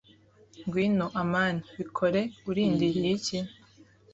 Ngwino, amani. Bikore. Urindiriye iki?